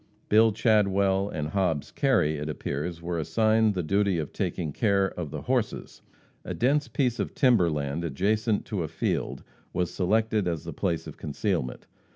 Bill Chadwell and Hobbs Kerry, it appears, were assigned the duty of taking care of the horses. A dense piece of timber land adjacent to a field was selected as the place of concealment.